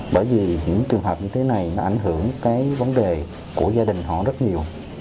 bởi vì những trường hợp như thế này nó ảnh hưởng cái vấn đề của gia đình họ rất nhiều